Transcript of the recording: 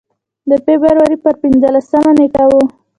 د فبروري پر پنځلسمه نېټه و.